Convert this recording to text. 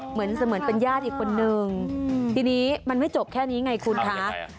เหมือนเป็นญาติอีกคนนึงทีนี้มันไม่จบแค่นี้ไงคุณคะ